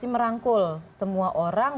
merangkul semua orang